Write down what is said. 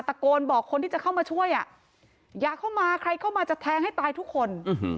ตะโกนบอกคนที่จะเข้ามาช่วยอย่าเข้ามาใครเข้ามาจะแทงให้ตายทุกคน